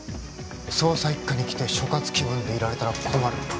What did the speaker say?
捜査一課に来て所轄気分でいられたら困る